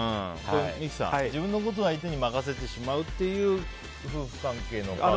三木さん、自分のことを相手に任せてしまうっていう夫婦関係も多い？